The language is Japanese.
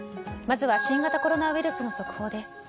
まずは新型コロナウイルスの速報です。